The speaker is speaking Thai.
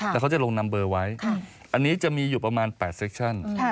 แล้วเขาจะลงนำเบอร์ไว้อันนี้จะมีอยู่ประมาณ๘เซคชั่น